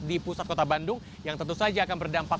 di pusat kota bandung yang tentu saja akan berdampak